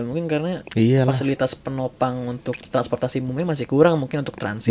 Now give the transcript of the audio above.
mungkin karena fasilitas penopang untuk transportasi umumnya masih kurang mungkin untuk transaksi